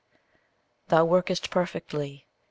Thou workest perfectly.